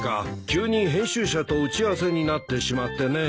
急に編集者と打ち合わせになってしまってね。